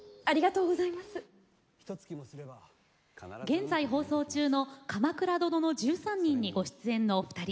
現在放送中の「鎌倉殿の１３人」にご出演中のお二人。